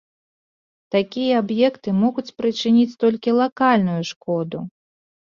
Такія аб'екты могуць прычыніць толькі лакальную шкоду.